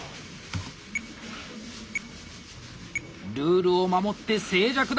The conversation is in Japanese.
ルールを守って静寂だ！